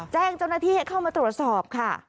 แจ้งเจ้าหน้าที่ให้เข้ามาตรวจสอบค่ะ